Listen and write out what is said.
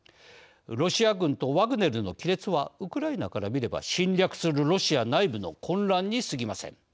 ロシア軍とワグネルの亀裂はウクライナから見れば侵略するロシア内部の混乱にすぎません。